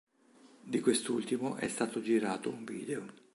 Di quest'ultimo è stato girato un video.